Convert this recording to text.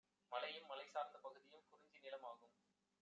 மலையும் மலை சார்ந்த பகுதியும் 'குறிஞ்சி நிலம்' ஆகும்.